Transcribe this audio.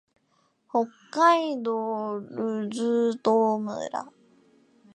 北海道留寿都村